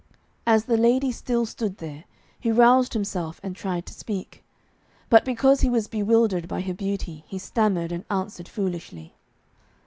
As the lady still stood there, he roused himself and tried to speak. But because he was bewildered by her beauty, he stammered and answered foolishly.